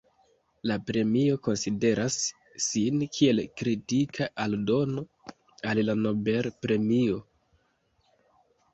La premio konsideras sin kiel kritika aldono al la Nobel-premio.